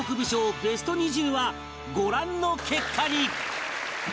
ベスト２０はご覧の結果に